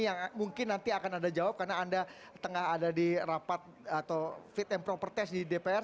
yang mungkin nanti akan ada jawab karena anda tengah ada di rapat atau fit and proper test di dpr